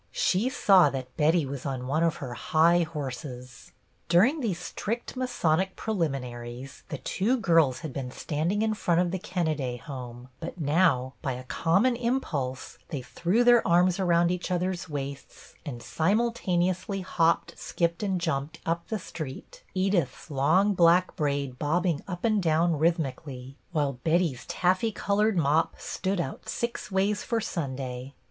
She saw that Betty was on one of her high horses. During these strict Masonic preliminaries, the two girls had been standing in front of the Kenneday home ; but now, by a common impulse, they threw their arms around each other's waists, and simultaneously hopped, skipped, and jumped up the street, Edith's long black braid bobbing up and down rhythmically, while Betty's taffy colored mop " stood out six ways for Sunday."